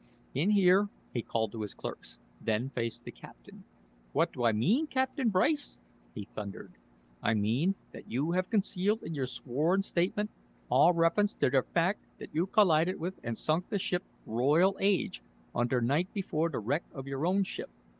"In here," he called to his clerks, then faced the captain. "What do I mean, Captain Bryce?" he thundered. "I mean that you have concealed in your sworn statement all reference to der fact that you collided with and sunk the ship Royal Age on der night before the wreck of your own ship."